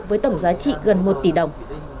với tổng giá trị gần một tỷ đồng